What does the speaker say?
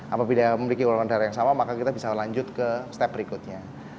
apabila memiliki golongan darah yang sama maka kita bisa lanjut ke step berikutnya